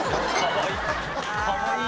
かわいい。